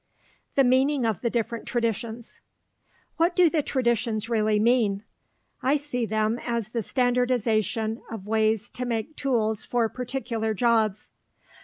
THE MEANING OF THE DIFFERENT TRADITIONS What do the traditions really mean? I see them as the standardization of ways to make tools for particular jobs.